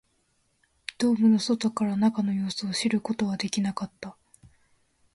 ドームの外から中の様子を知ることはできなかった